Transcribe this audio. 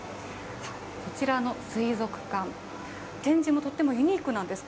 こちらの水族館、展示もとってもユニークなんです。